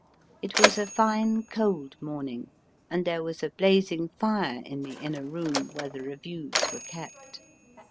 It was a fine, cold morning, and there was a blazing fire in the inner room, where the reviews were kept.